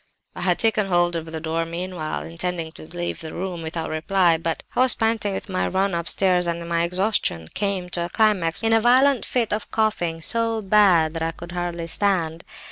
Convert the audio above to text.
"I had taken hold of the door handle meanwhile, intending to leave the room without reply; but I was panting with my run upstairs, and my exhaustion came to a climax in a violent fit of coughing, so bad that I could hardly stand.